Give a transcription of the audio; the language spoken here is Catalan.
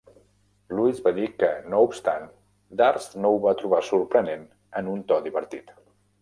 Lewis va dir que, no obstant, Durst no ho va trobar sorprenent en un to divertit.